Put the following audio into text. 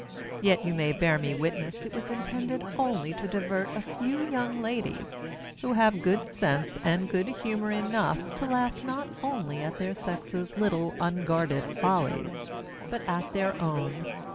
Yet you may bear me witness it was intended only to divert a few young ladies, who have good sense and good humour enough to laugh not only at their sex's little unguarded follies, but at their own.